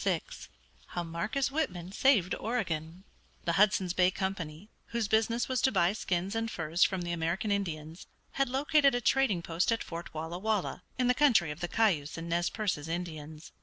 VI HOW MARCUS WHITMAN SAVED OREGON The Hudson's Bay Company, whose business was to buy skins and furs from the American Indians, had located a trading post at Fort Walla Walla, in the country of the Cayuse and Nez Percés Indians.